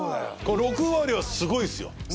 ６割はすごいっすよ。